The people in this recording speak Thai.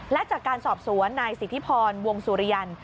และจากการสอบสวนนายสิทธิพรวงสุริยันท